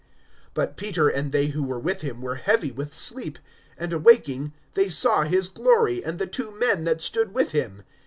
(32)But Peter and they who were with him were heavy with sleep; and awaking, they saw his glory, and the two men that stood with him.